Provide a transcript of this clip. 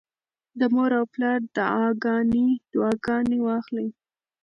د مور او پلار دعاګانې واخلئ.